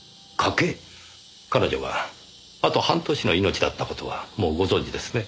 彼女があと半年の命だった事はもうご存じですね？